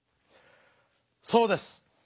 そうです。